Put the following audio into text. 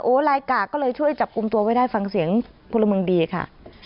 ลายกากก็เลยช่วยจับกลุ่มตัวไว้ได้ฟังเสียงพลเมืองดีค่ะ